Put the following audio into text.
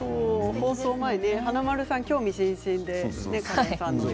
放送前、華丸さん興味津々で。